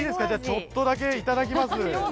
ちょっとだけいただきます。